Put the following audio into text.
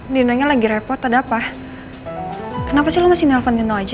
n kindness lagi repot ada apa kenapa lo masih nelpon meno aja